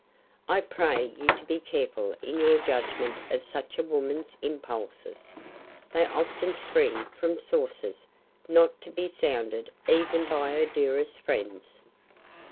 I pray you to be careful in your judgment of such a woman's impulses. They often spring from sources not to be sounded even by her dearest friends."